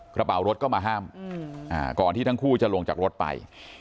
กระเป๋ารถก็มาห้ามก่อนที่ทั้งคู่จะลงจากรถไป